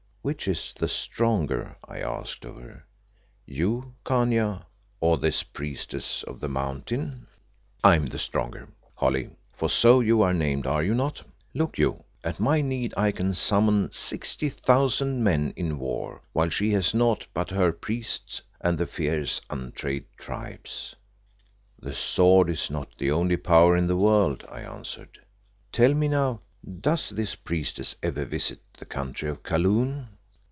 "Which is the stronger," I asked of her, "you, Khania, or this priestess of the Mountain?" "I am the stronger, Holly, for so you are named, are you not? Look you, at my need I can summon sixty thousand men in war, while she has naught but her priests and the fierce, untrained tribes." "The sword is not the only power in the world," I answered. "Tell me, now, does this priestess ever visit the country of Kaloon?"